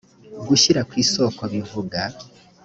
gushyira ku isoko bivuga